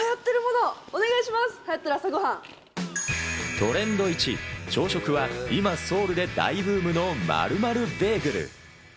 トレンド１、朝食は今、ソウルで大ブームの○○ベーグル。